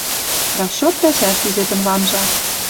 Расчет пӓшӓш ти жепӹн ванжа.